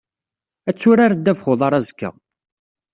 Ad turar ddabex uḍar azekka.